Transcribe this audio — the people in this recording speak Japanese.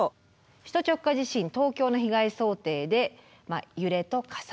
首都直下地震東京の被害想定で揺れと火災